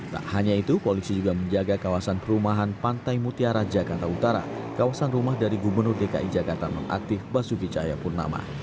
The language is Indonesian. tak hanya itu polisi juga menjaga kawasan perumahan pantai mutiara jakarta utara kawasan rumah dari gubernur dki jakarta nonaktif basuki cahayapurnama